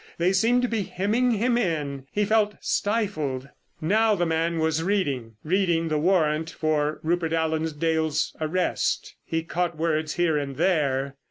They seemed to be hemming him in. He felt stifled. Now the man was reading. Reading the warrant for Rupert Allen Dale's arrest. He caught words here and there.